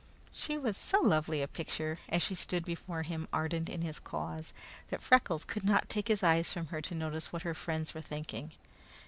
She was so lovely a picture as she stood before him, ardent in his cause, that Freckles could not take his eyes from her to notice what her friends were thinking.